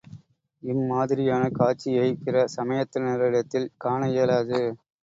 இம்மாதிரியான காட்சியைப் பிற சமயத்தினரிடத்தில் காண இயலாது.